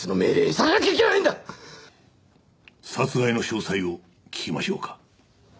殺害の詳細を聞きましょうか。